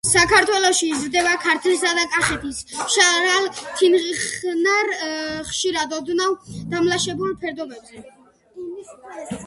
საქართველოში იზრდება ქართლისა და კახეთის მშრალ თიხნარ, ხშირად ოდნავ დამლაშებულ ფერდობებზე.